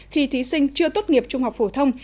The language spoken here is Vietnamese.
khi thí sinh chưa tốt nghiệp trung học phổ thông